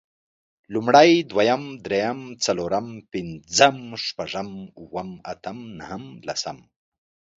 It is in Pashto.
لومړی، دويم، درېيم، څلورم، پنځم، شپږم، اووم، اتم نهم، لسم